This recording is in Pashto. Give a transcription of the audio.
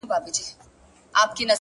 ما وتا بېل كړي سره؛